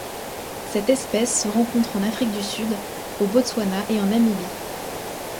Cette espèce se rencontre en Afrique du Sud, au Botswana et en Namibie.